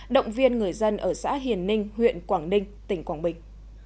động viên người dân ở xã hiền ninh huyện quảng ninh tỉnh quảng bình